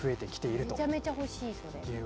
めちゃめちゃ欲しい、それ。